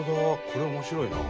これ面白いな。